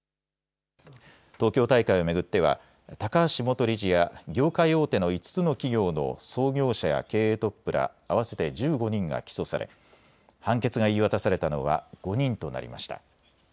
東京大会を巡っては高橋元理事や業界大手の５つの企業の創業者や経営トップら合わせて１５人が起訴され判決が言い渡されたのは５人となりました。